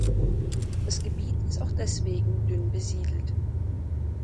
Das Gebiet ist auch deswegen dünn besiedelt.